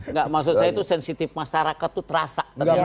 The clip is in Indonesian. nggak maksud saya itu sensitif masyarakat tuh terasa